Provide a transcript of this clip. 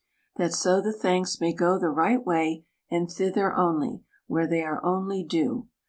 that so the thanks may go the right way, and thither only, where they are only due.